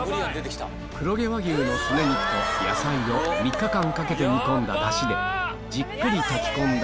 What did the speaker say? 黒毛和牛のスネ肉と野菜を３日間かけて煮込んだダシでじっくり炊き込んだ